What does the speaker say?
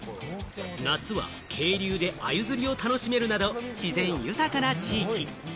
夏は渓流で鮎釣りを楽しめるなど、自然豊かな地域。